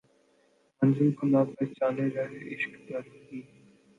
منزل کو نہ پہچانے رہ عشق کا راہی